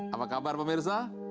apa kabar pemirsa